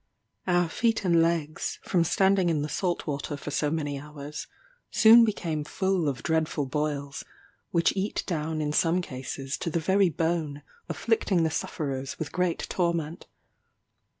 Our feet and legs, from standing in the salt water for so many hours, soon became full of dreadful boils, which eat down in some cases to the very bone, afflicting the sufferers with great torment.